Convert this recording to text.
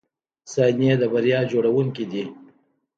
• ثانیې د بریا جوړونکي دي.